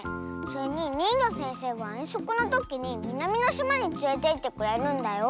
それににんぎょせんせいはえんそくのときにみなみのしまにつれていってくれるんだよ。